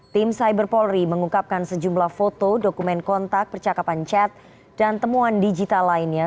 tim cyber polri mengungkapkan sejumlah foto dokumen kontak percakapan chat dan temuan digital lainnya